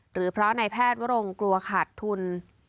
หรือเพราะในแพทย์วรงกลัวขาดทุน